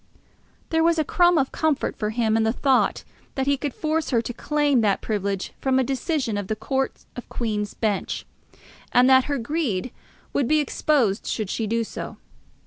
There was a crumb of comfort for him in the thought that he could force her to claim that privilege from a decision of the Court of Queen's Bench, and that her greed would be exposed should she do so.